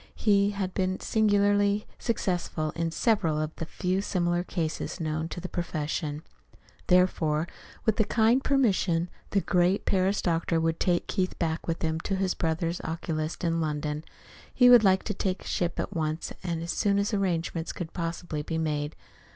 He had been singularly successful in several of the few similar cases known to the profession. Therefore, with their kind permission, the great Paris doctor would take Keith back with him to his brother oculist in London. He would like to take ship at once, as soon as arrangements could possibly be made.